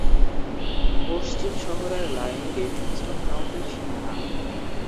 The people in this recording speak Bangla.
পশ্চিম শহরের লাইন লিভিংস্টোন কাউন্টির সীমানা।